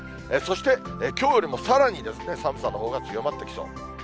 そして、きょうよりもさらに寒さのほうが強まってきそう。